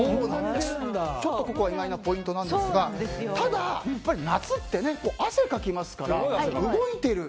ちょっとここは意外なポイントなんですがただ、夏って汗かきますから動いている。